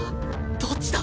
どっちだ！？